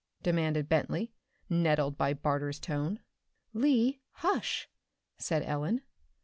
demanded Bentley, nettled by Barter's tone. "Lee, hush," said Ellen.